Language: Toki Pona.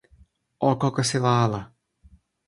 o kokosila ala.